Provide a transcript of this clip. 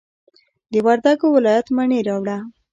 د وردګو ولایت مڼې راوړه.